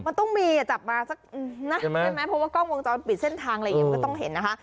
มันต้องมีจับมาสักนะใช่ไหมเพราะว่ากล้องวงจรปิดเส้นทางอะไรอย่างนี้มันก็ต้องเห็นนะคะ